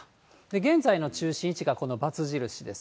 現在の中心位置がこの×印です。